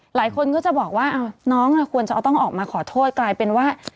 หลายคนก็จะบอกว่าน้องควรจะต้องออกมาขอโทษกลายเป็นว่า